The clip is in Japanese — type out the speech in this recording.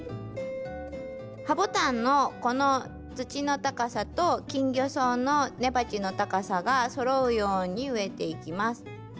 ハボタンのこの土の高さとキンギョソウの根鉢の高さがそろうように植えていきます。